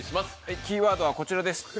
キーワードはこちらです。